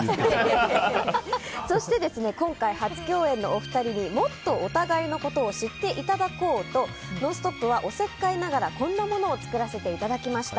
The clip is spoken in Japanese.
そして、今回初共演のお二人にもっとお互いのことを知っていただこうと「ノンストップ！」はおせっかいながら、こんなものを作らせていただきました。